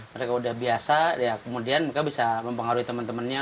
mereka udah biasa ya kemudian mereka bisa mempengaruhi teman temannya